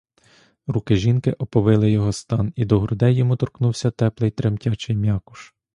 Руки жінки оповили його стан, і до грудей йому торкнувся теплий, тремтячий м'якуш.